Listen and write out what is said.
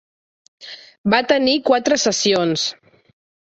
Va tenir quatre sessions.